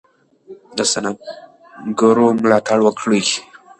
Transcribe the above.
د صنعتګرو ملاتړ وکړئ.